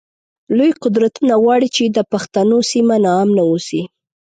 لوی قدرتونه غواړی چی د پښتنو سیمه ناامنه اوسی